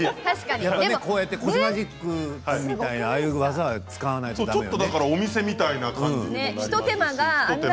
こうやってコジマジックさんみたいにああいう技を使わないとだめよね。